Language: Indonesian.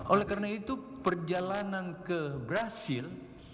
oleh karena itu perjalanan ke brazil